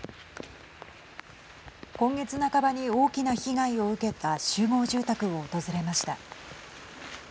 今月半ばに大きな被害を受けた集合住宅を訪れました。